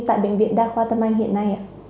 tại bệnh viện đa khoa tâm anh hiện nay ạ